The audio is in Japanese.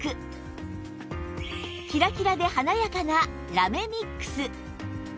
キラキラで華やかなラメミックス